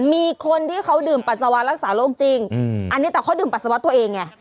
มีคนที่เขาดื่มปัสสาวะรักษาโรคจริงอันนี้แต่เขาดื่มปัสสาวะตัวเองไง